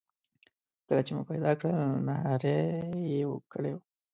کله چې مو پیدا کړل نهاري یې کړې وه.